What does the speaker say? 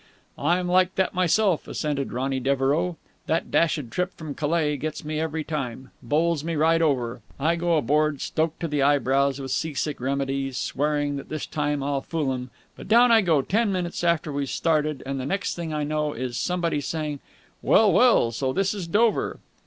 "I'm like that myself," assented Ronny Devereux. "That dashed trip from Calais gets me every time. Bowls me right over. I go aboard, stoked to the eyebrows with sea sick remedies, swearing that this time I'll fool 'em, but down I go ten minutes after we've started and the next thing I know is somebody saying, 'Well, well! So this is Dover!'"